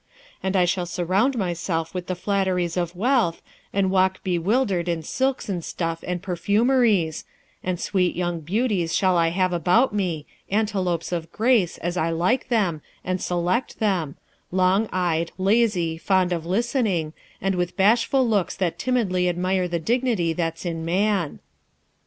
And I shall surround myself with the flatteries of wealth, and walk bewildered in silks and stuffs and perfumeries; and sweet young beauties shall I have about me, antelopes of grace, as I like them, and select them, long eyed, lazy, fond of listening, and with bashful looks that timidly admire the dignity that's in man.'